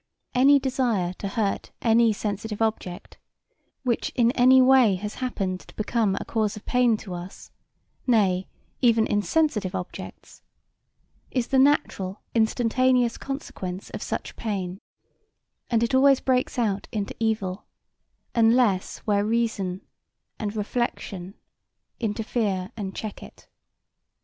Any desire to hurt any sensitive object which in any way has happened to become a cause of pain to us, nay even insensitive objects, is the natural instantaneous consequence of such pain and it always breaks out into evil, unless where reason and reflection interfere and check it.